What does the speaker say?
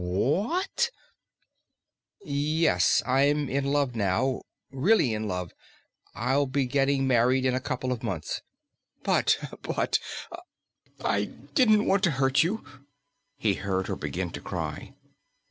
"What?" "Yes. I'm in love now; really in love. I'll be getting married in a couple of months." "But but " "I didn't want to hurt you." He heard her begin to cry.